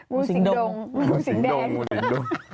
งูสิงดงงูสิงแดง